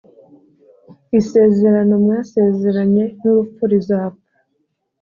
isezerano mwasezeranye n’urupfu rizapfa